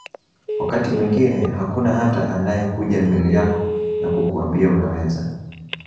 wakati mwingine hakuna hata anakayekuja mbele yako na kukuambia unaweza